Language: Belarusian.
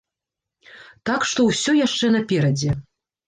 Так што ўсё яшчэ наперадзе!